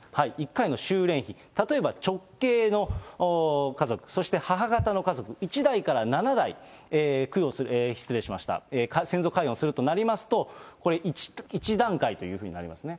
１回の修錬費、例えば直系の家族、そして母方の家族、１代から７代、供養する、失礼しました、先祖解怨するとなりますと、これ、１段階というふうになりますね。